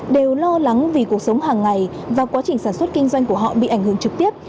đều lo lắng vì cuộc sống hàng ngày và quá trình sản xuất kinh doanh của họ bị ảnh hưởng trực tiếp